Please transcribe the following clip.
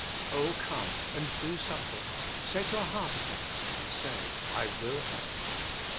Oh, come and do something. Set your heart upon it and say, I will have it.